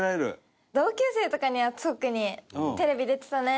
同級生とかには特に「テレビ出てたね」